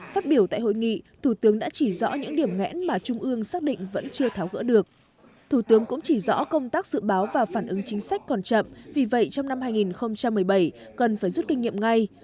phát biểu tại hội nghị thủ tướng đã chỉ rõ những điểm ngẽn mà trung ương xác định vẫn chưa tháo gỡ được thủ tướng cũng chỉ rõ công tác dự báo và phản ứng chính sách còn chậm vì vậy trong năm hai nghìn một mươi bảy cần phải rút kinh nghiệm ngay